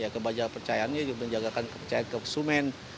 penjagaan percayaannya juga menjaga kepercayaan konsumen